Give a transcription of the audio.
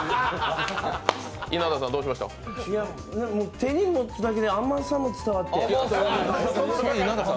手に持つだけで甘さも伝わって。